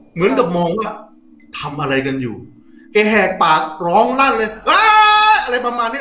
เหมือนกับมองว่าทำอะไรกันอยู่แกแหกปากร้องลั่นเลยอะไรประมาณเนี้ย